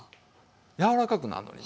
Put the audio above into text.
柔らかくなるのに。